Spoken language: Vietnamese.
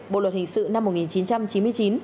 bộ luật hình sự năm một nghìn chín trăm chín mươi chín